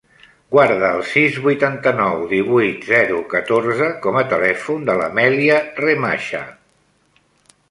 Guarda el sis, vuitanta-nou, divuit, zero, catorze com a telèfon de l'Amèlia Remacha.